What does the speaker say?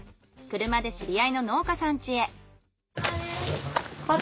車で知り合いの農家さん家へ。